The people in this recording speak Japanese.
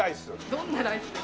どんなライスですか？